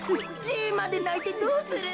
じいまでないてどうする。